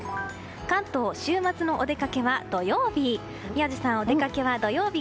関東、週末のお出かけは土曜日。